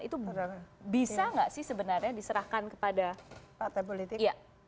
itu bisa nggak sih sebenarnya diserahkan kepada partai politik